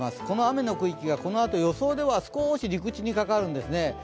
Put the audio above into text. この雨の区域がこのあと予想では少し陸地にかかるんですね。